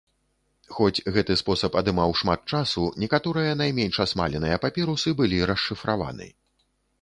Хоць гэты спосаб адымаў шмат часу, некаторыя найменш асмаленыя папірусы былі расшыфраваны.